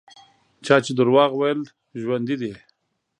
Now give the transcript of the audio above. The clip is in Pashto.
چا چې دروغ ویل ژوندي دي.